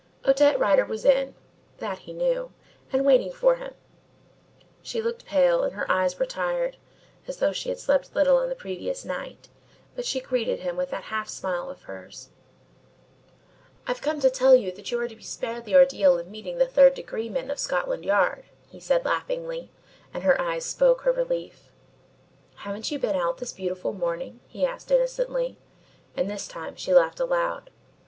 Odette Rider was in (that he knew) and waiting for him. She looked pale and her eyes were tired, as though she had slept little on the previous night, but she greeted him with that half smile of hers. "I've come to tell you that you are to be spared the ordeal of meeting the third degree men of Scotland Yard," he said laughingly, and her eyes spoke her relief. "Haven't you been out this beautiful morning?" he asked innocently, and this time she laughed aloud.